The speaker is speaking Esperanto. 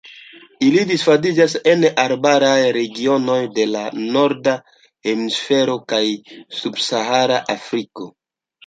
Ili disvastiĝas en arbaraj regionoj de la Norda Hemisfero kaj subsahara Afriko.